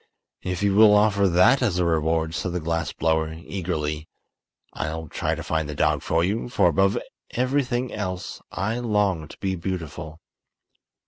"If you will offer that as a reward," said the glass blower, eagerly, "I'll try to find the dog for you, for above everything else I long to be beautiful."